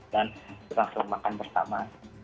dan langsung makan bersama